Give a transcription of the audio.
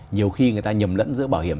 nhiều khi người ta nhầm lẫn giữa bảo hiểm